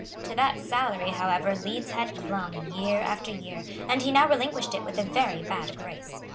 To that salary, however, Leeds had clung, year after year; and he now relinquished it with a very bad grace.